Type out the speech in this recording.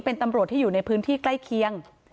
เป็นตำรวจที่อยู่ในพื้นที่ใกล้เคียง